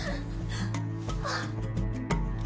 あっ！